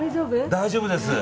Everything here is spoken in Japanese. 大丈夫です。